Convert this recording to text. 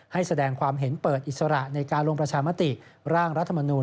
ให้แสดงความเห็นเปิดอิสระในการลงประชามติร่างรัฐมนูล